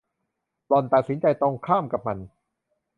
หล่อนตัดสินใจตรงข้ามกับมัน